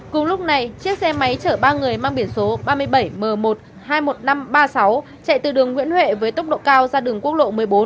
cùng lúc này chiếc xe máy chở ba người mang biển số ba mươi bảy m một hai mươi một nghìn năm trăm ba mươi sáu chạy từ đường nguyễn huệ với tốc độ cao ra đường quốc lộ một mươi bốn